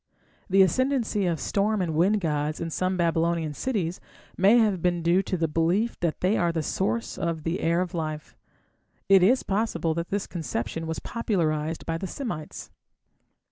The ascendancy of storm and wind gods in some Babylonian cities may have been due to the belief that they were the source of the "air of life". It is possible that this conception was popularized by the Semites.